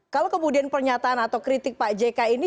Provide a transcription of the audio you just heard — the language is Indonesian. kalau kemudian pernyataan atau kritik pak jk ini